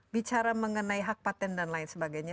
bicara mengenai hak patent dan lain sebagainya